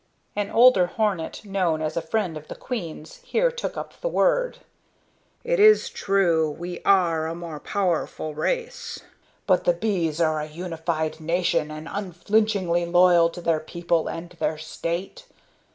An older hornet known as a friend of the queen's here took up the word. "It is true, we are a more powerful race, but the bees are a unified nation, and unflinchingly loyal to their people and their state.